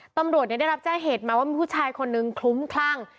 ตำรวจได้รับแจ้งเหตุมาว่ามีผู้ชายคนนึงคลุ้มคลั่ง